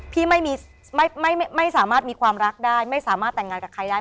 พี่ไม่สามารถมีความรักได้ไม่สามารถแต่งงานกับใครได้